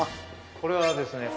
これはですね。